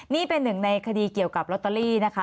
นี่เป็นหนึ่งในคดีเกี่ยวกับลอตเตอรี่นะคะ